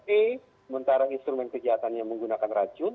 e sementara instrumen kejahatannya menggunakan racun